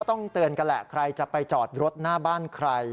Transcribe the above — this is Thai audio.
ต้องเตือนกันแหละใครจะไปจอดรถหน้าบ้านใคร